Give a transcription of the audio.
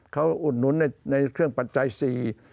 เขาอุดหนุนในเครื่องปัจจัยสี่